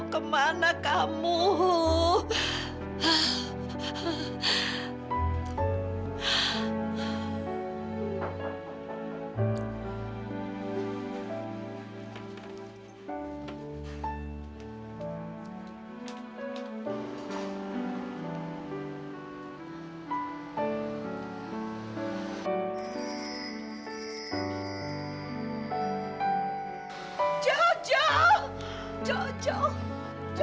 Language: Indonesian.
sebelum dia jatuh